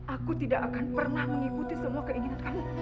aku tidak akan pernah mengikuti semua keinginan kamu